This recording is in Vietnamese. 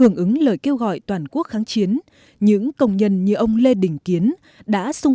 hưởng ứng lời kêu gọi toàn quốc kháng chiến những công nhân như ông lê đình kiến đã sung